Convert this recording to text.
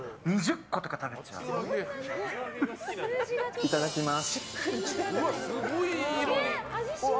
いただきます。